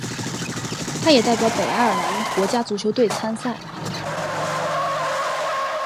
他也代表北爱尔兰国家足球队参赛。